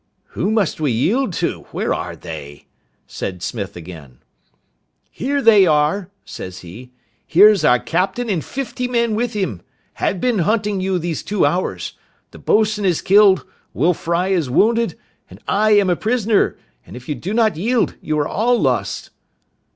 "Who must we yield to? Where are they?" says Smith again. "Here they are," says he; "here's our captain and fifty men with him, have been hunting you these two hours; the boatswain is killed; Will Fry is wounded, and I am a prisoner; and if you do not yield you are all lost."